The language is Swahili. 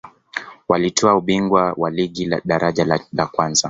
walitwaa ubingwa wa ligi daraja la kwanza